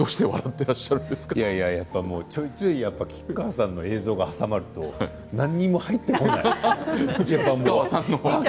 いやいやついつい、吉川さんの映像が挟まると何も入ってこない。